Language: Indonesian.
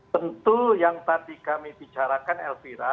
tentu yang tadi kami bicarakan elvira